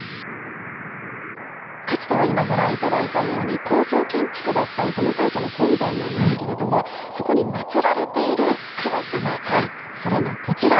かつては今ご覧頂いたように高層建築だった出雲大社の本殿なんですけれどもそこに祭られている神様それがこちら。